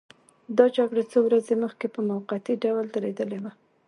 دا جګړه څو ورځې مخکې په موقتي ډول درېدلې وه.